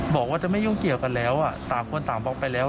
บอกว่าจะไม่ยุ่งเกี่ยวกันแล้วต่างคนต่างบล็อกไปแล้ว